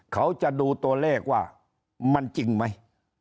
เขาจะดูตัวเลขว่ามันจริงไหม